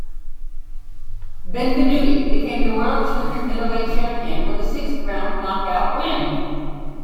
Benvenuti became the world junior middleweight champion with a sixth-round knockout win.